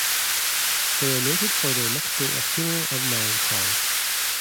They are noted for their mixture of humour and melancholy.